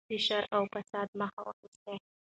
د شر او فساد مخه ونیسئ.